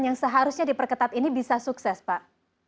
yang seharusnya diperketat ini bisa sukses pak